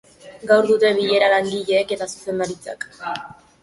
Gaur dute bilera langileek eta zuzendaritzak.